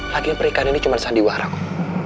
lagian perikan ini cuma sandiwar aku